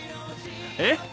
えっ？